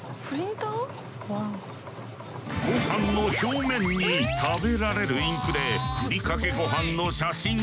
ごはんの表面に食べられるインクでふりかけごはんの写真を印刷。